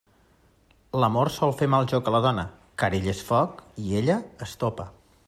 L'amor sol fer mal joc a la dona, car ell és foc i ella, estopa.